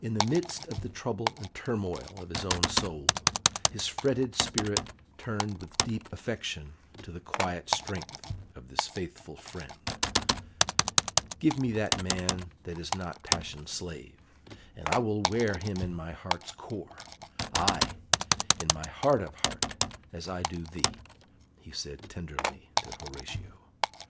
In the midst of the trouble and turmoil of his own soul, his fretted spirit turned with deep affection to the quiet strength of this faithful friend. "Give me that man that is not passion's slave, and I will wear him in my heart's core ay, in my heart of heart, as I do thee," he said tenderly to Horatio.